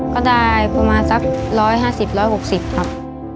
ก็ได้ประมาณสัก๑๕๐๑๖๐ครับ